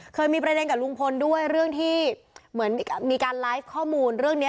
เคยมีประเด็นกับลุงพลด้วยเรื่องที่เหมือนมีการไลฟ์ข้อมูลเรื่องนี้